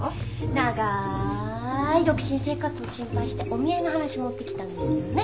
長い独身生活を心配してお見合いの話持ってきたんですよね？